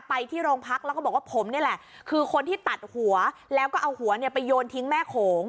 ไปที่โรงพักแล้วก็บอกว่าผมนี่แหละคือคนที่ตัดหัวแล้วก็เอาหัวเนี่ยไปโยนทิ้งแม่โขง